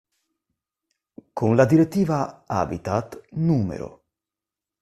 Con la direttiva "Habitat" n.